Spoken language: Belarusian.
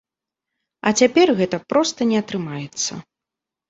А цяпер гэта проста не атрымаецца.